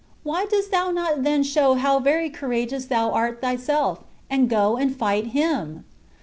why dost thou not then show how very courageous thou art thyself, and go and fight him?"